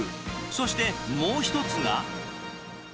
そしてもう１つが。